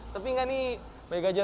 tapi enggak nih bayi gajah